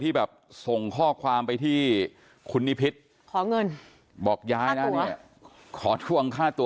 ที่แบบส่งข้อความไปที่คุณนิพิษขอเงินบอกย้ายแล้วเนี่ยขอทวงค่าตัว